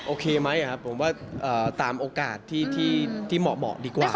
โอเคไหมผมว่าตามโอกาสที่เหมาะดีกว่า